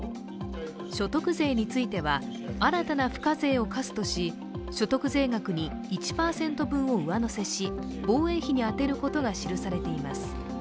所得税については新たな付加税を課すとし所得税額に１％分を上乗せし防衛費に充てることが記されています。